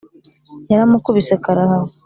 Yaramukubise karahava